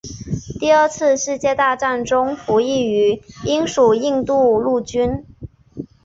第二次世界大战中服役于英属印度陆军。